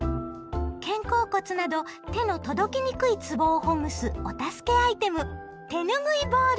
肩甲骨など手の届きにくいつぼをほぐすお助けアイテム手ぬぐいボール！